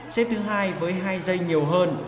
xếp thứ hai với hai giây nhiều hơn